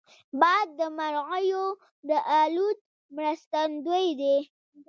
باد د مرغیو د الوت مرستندوی دی